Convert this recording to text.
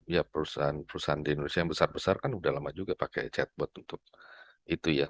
ya perusahaan perusahaan di indonesia yang besar besar kan udah lama juga pakai chatbot untuk itu ya